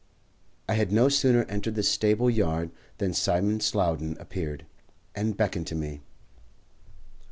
I had no sooner entered the stable yard than Simon Slowden appeared, and beckoned to me.